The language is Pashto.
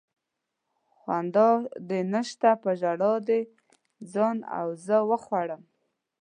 خندا دې نشته په ژړا دې ځان او زه وخوړم